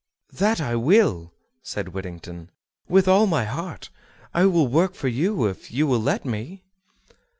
"That I will," said Whittington, "with all my heart; I will work for you if you will let me."